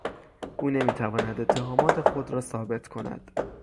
او نمیتواند اتهامات خود را ثابت کند.